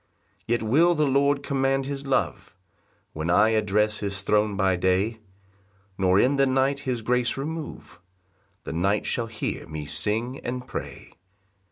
3 Yet will the Lord command his love, When I address his throne by day, Nor in the night his grace remove; The night shall hear me sing and pray.